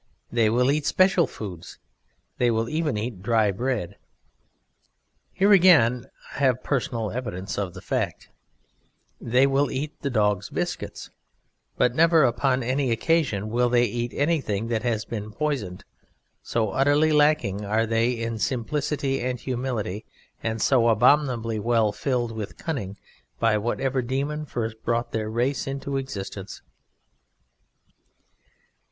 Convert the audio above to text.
They will eat special foods; They will even eat dry bread. Here again I have personal evidence of the fact; They will eat the dog's biscuits, but never upon any occasion will They eat anything that has been poisoned, so utterly lacking are They in simplicity and humility, and so abominably well filled with cunning by whatever demon first brought their race into existence.